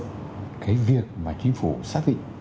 cái việc mà chính phủ xác định